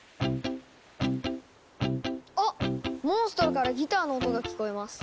あっモンストロからギターの音が聞こえます。